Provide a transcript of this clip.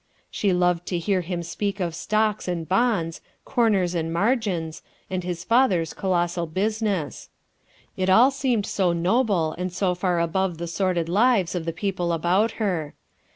She loved to hear him speak of stocks and bonds, corners and margins, and his father's colossal business. It all seemed so noble and so far above the sordid lives of the people about her.